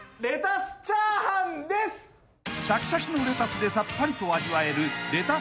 ［シャキシャキのレタスでさっぱりと味わえる］